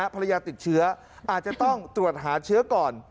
ภรรยาติดเชื้ออาจจะต้องตรวจหาเชื้อก่อน